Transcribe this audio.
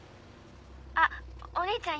あっお兄ちゃん。